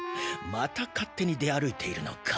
また勝手に出歩いているのか。